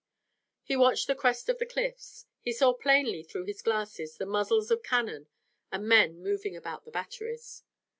He watched the crest of the cliffs. He saw plainly through his glasses the muzzles of cannon and men moving about the batteries.